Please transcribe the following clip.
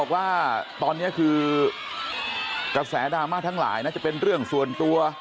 ว่าตอนนี้คือกระแสดราม่าทั้งหลายน่าจะเป็นเรื่องส่วนตัว